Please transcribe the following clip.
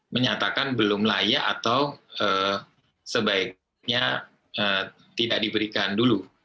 menyatakan belum layak atau sebaiknya tidak diberikan dulu